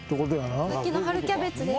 さっきの春キャベツです。